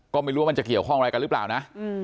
ก็ไม่รู้ว่ามันจะเกี่ยวข้องอะไรกันหรือเปล่านะ